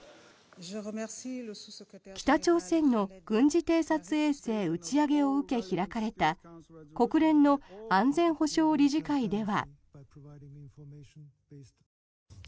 北朝鮮の軍事偵察衛星打ち上げを受け開かれた国連の安全保障理事会では。